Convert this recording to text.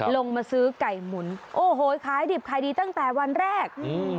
ลงมาซื้อไก่หมุนโอ้โหขายดิบขายดีตั้งแต่วันแรกอืม